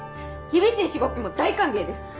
厳しいしごきも大歓迎です。